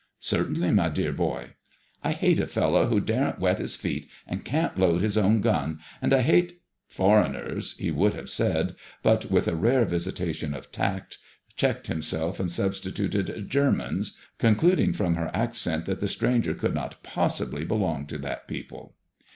Certainly, my dear boy/' " I hate a fellow who daren't wet his feet and can't load his own gun, and I hate " "Foreigners," he would have said, but with a rare visitation of tact, checked himself and substituted " Germans/' con cluding from her accent that the stranger could not possibly belong to that people.